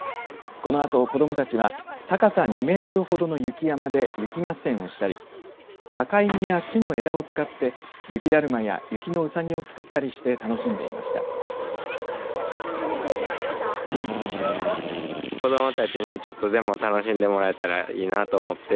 このあと子どもたちは高さ２メートルほどの雪山で雪合戦をしたり赤い実や木の枝を使って雪だるまや雪のうさぎを作ったりして楽しんでいました。